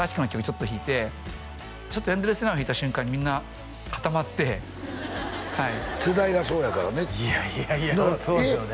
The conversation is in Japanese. ちょっと弾いてちょっと「ＥＮＤＬＥＳＳＲＡＩＮ」を弾いた瞬間にみんな固まってはい世代がそうやからねいやいやいやそうですよね